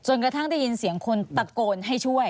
กระทั่งได้ยินเสียงคนตะโกนให้ช่วย